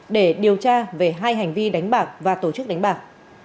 để điều tra về hai hành vi đánh bạc và tổ chức đánh bạc